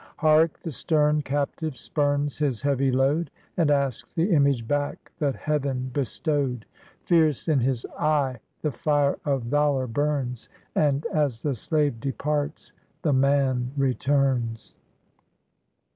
Hark ! the stern captive spurns his heavy load, And asks the image back that Heaven bestowed ; Fierce in his eye the fire of valor burns, And, as the slave departs, the man returns."